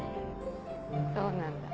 そうなんだ。